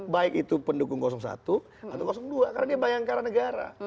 baik itu pendukung satu atau dua karena dia bayangkara negara